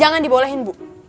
jangan dibolehin bu